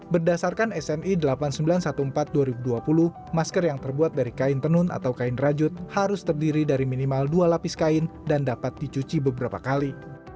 berdasarkan sni delapan ribu sembilan ratus empat belas dua ribu dua puluh masker yang terbuat dari kain tenun atau kain rajut harus terdiri dari minimal dua lapis kain dan dapat dicuci beberapa kali